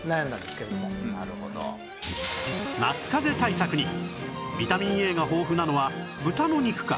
だから夏かぜ対策にビタミン Ａ が豊富なのは豚の肉か？